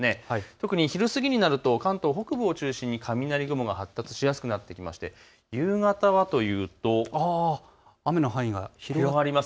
特に昼過ぎになると関東北部を中心に雷雲が発達しやすくなってきまして夕方はというと雨の範囲が広がります。